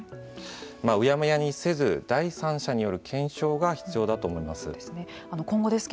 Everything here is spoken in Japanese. うやむやにせず第三者による検証が必要だと思います。